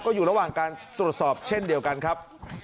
อยู่ระหว่างการตรวจสอบเช่นเดียวกันครับ